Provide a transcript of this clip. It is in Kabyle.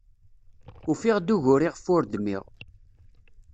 Ufiɣ-d ugur iɣef ur dmiɣ.